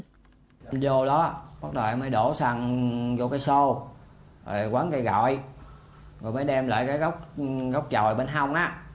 em vô đó bắt đầu em mới đổ xăng vô cái xô rồi quấn cây gọi rồi mới đem lại cái góc tròi bên hông á